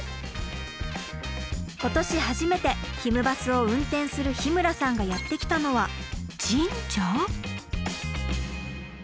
今年初めてひむバスを運転する日村さんがやって来たのは神社？